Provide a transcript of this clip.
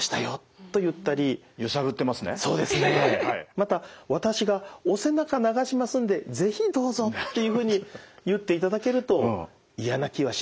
また「私がお背中流しますんで是非どうぞ」っていうふうに言っていただけると嫌な気はしないはずですからね。